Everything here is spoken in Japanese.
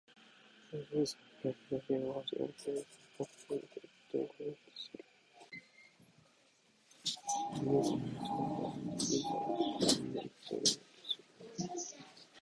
比叡山や東山をはじめ、西山、北山の一帯が見渡せる